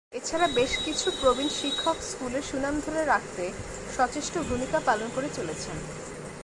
এছাড়া বেশ কিছু প্রবীণ শিক্ষক স্কুলের সুনাম ধরে রাখতে সচেষ্ট ভূমিকা পালন করে চলেছেন।